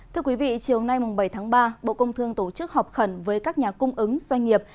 thưa quý vị chiều nay bảy tháng ba bộ công thương tổ chức họp khẩn với các nhà cung ứng doanh nghiệp